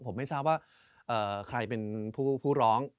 ผมไม่ทราบว่าใครเป็นผู้ร้อง